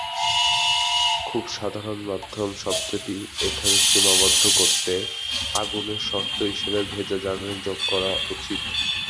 খুব সাধারণ মধ্যম শব্দটি এখানে সীমাবদ্ধ করতে, আগুনের শর্ত হিসাবে 'ভেজা জ্বালানী' যোগ করা উচিত।